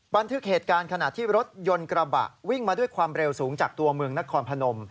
บันทึกเหตุการณ์ขณะที่รถยนต์กระบะวิ่งมาด้วยความเร็วสูงจากตัวเมืองนครพนม